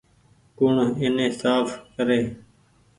ڪوڻ ايني ساڦ ڪري ۔